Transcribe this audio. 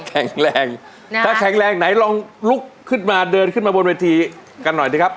แข็งแรงถ้าแข็งแรงไหนลองลุกขึ้นมาเดินขึ้นมาบนเวทีกันหน่อยนะครับ